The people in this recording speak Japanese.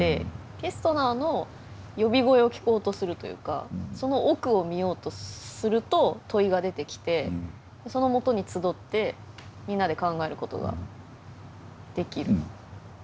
ケストナーの呼び声を聞こうとするというかその奥を見ようとすると問いが出てきてそのもとに集ってみんなで考えることができる。